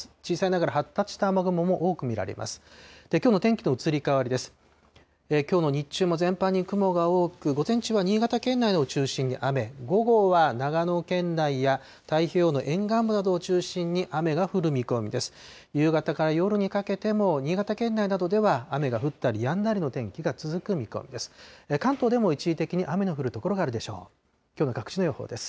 夕方から夜にかけても、新潟県内などでは雨が降ったりやんだりの天気が続く見込みです。